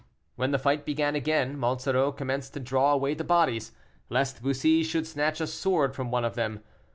When the fight began again, Monsoreau commenced to draw away the bodies, lest Bussy should snatch a sword from one of them.